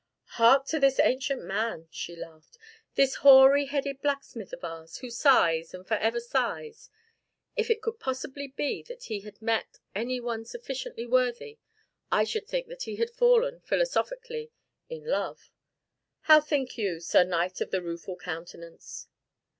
"Hark to this ancient man!" she laughed, "this hoary headed blacksmith of ours, who sighs, and forever sighs; if it could possibly be that he had met any one sufficiently worthy I should think that he had fallen philosophically in love; how think you, Sir Knight of the Rueful Countenance?"